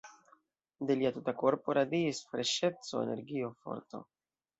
De lia tuta korpo radiis freŝeco, energio, forto.